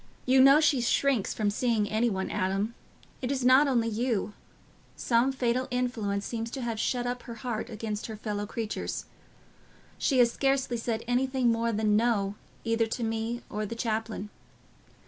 "You know she shrinks from seeing any one, Adam. It is not only you—some fatal influence seems to have shut up her heart against her fellow creatures. She has scarcely said anything more than 'No' either to me or the chaplain.